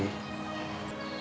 kembali ke rumah